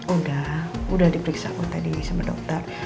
udah udah diperiksa kok tadi sama dokter